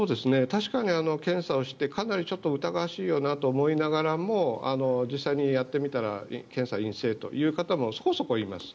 確かに検査をしてかなり疑わしいよなと思いながらも実際にやってみたら検査は陰性という方もそこそこいます。